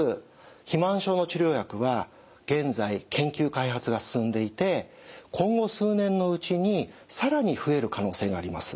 肥満症の治療薬は現在研究開発が進んでいて今後数年のうちに更に増える可能性があります。